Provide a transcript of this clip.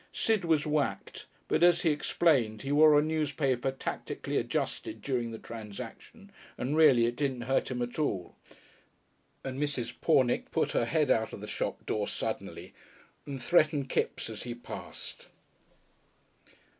Sid was whacked, but, as he explained, he wore a newspaper tactically adjusted during the transaction, and really it didn't hurt him at all.... And Mrs. Pornick put her head out of the shop door suddenly, and threatened Kipps as he passed.